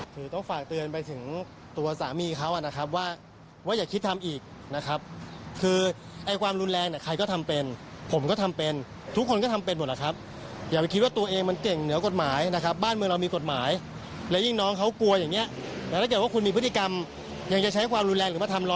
คือต้องฝากเตือนไปถึงตัวสามีเขานะครับว่าว่าอย่าคิดทำอีกนะครับคือไอ้ความรุนแรงเนี่ยใครก็ทำเป็นผมก็ทำเป็นทุกคนก็ทำเป็นหมดแหละครับอย่าไปคิดว่าตัวเองมันเก่งเหนือกฎหมายนะครับบ้านเมืองเรามีกฎหมายและยิ่งน้องเขากลัวอย่างเงี้ยแล้วถ้าเกิดว่าคุณมีพฤติกรรมยังจะใช้ความรุนแรงหรือมาทำร